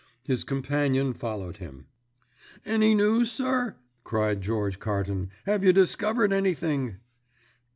His companion followed him. "Any news, sir?" cried George Carton. "Have you discovered anything?"